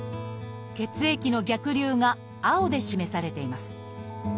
血液の逆流が青で示されています。